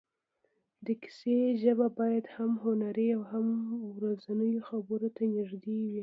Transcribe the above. د کیسې ژبه باید هم هنري او هم ورځنیو خبرو ته نږدې وي.